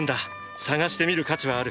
探してみる価値はある！